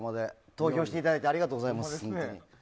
投票していただいてありがとうございます。